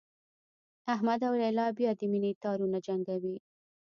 احمد او لیلا بیا د مینې تارونه جنګوي